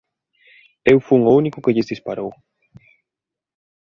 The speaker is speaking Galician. Eu fun o único que lles disparou.